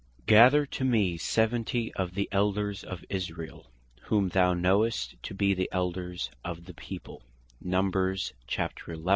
"Gather to mee Seventy of the Elders of Israel, whom thou knowest to be the Elders of the People."